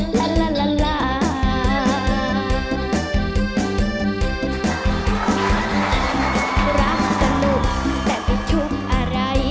ก็เรื่องผู้ชายฉันไม่ได้ไปยุ่ง